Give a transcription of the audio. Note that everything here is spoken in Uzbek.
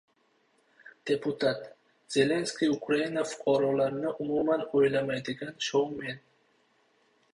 Deputat: "Zelenskiy — Ukraina fuqarolarini umuman o‘ylamaydigan shoumen"